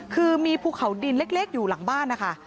คือมีภูเขาดินเล็กอยู่หลังบ้านนะคะ